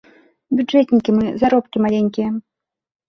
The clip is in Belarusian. Бюджэтнікі мы, заробкі маленькія.